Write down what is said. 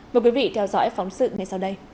mời quý vị theo dõi